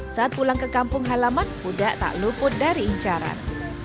saat pulang ke kampung halaman pudak tak luput dari incaran